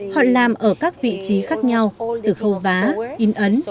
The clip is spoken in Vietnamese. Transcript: họ làm ở các vị trí khác nhau từ khâu vá in ấn